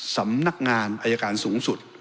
สำนักงานอายการสูงสุด